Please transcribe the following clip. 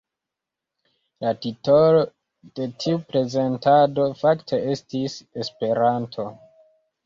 La titolo de tiu prezentado fakte estis ”Esperanto”.